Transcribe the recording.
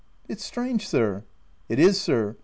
" It's strange, sir \ n " It is sir.